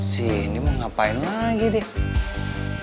sini mau ngapain lagi deh